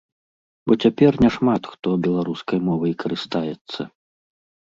Бо цяпер няшмат хто беларускай мовай карыстаецца.